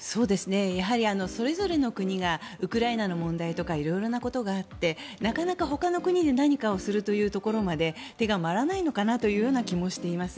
やはりそれぞれの国がウクライナの問題とか色々なことがあってなかなかほかの国で何かをするというところまで手が回らないのかなという気もしています。